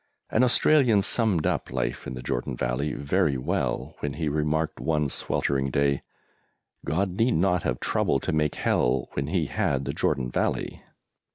An Australian summed up life in the Jordan Valley very well, when he remarked one sweltering day, "God need not have troubled to make Hell when He had the Jordan Valley."